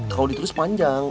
kalau ditulis panjang